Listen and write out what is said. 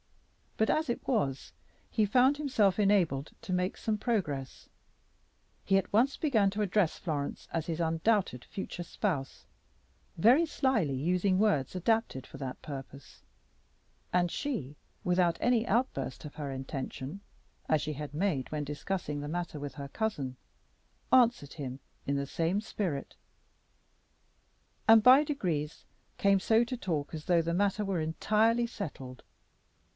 But, as it was, he found himself enabled to make some progress. He at once began to address Florence as his undoubted future spouse, very slyly using words adapted for that purpose: and she, without any outburst of her intention, as she had made when discussing the matter with her cousin, answered him in the same spirit, and by degrees came so to talk as though the matter were entirely settled.